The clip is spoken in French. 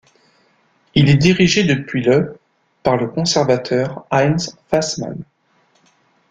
Il est dirigé depuis le par le conservateur Heinz Fassmann.